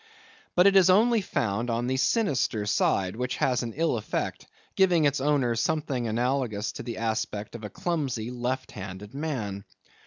But it is only found on the sinister side, which has an ill effect, giving its owner something analogous to the aspect of a clumsy left handed man.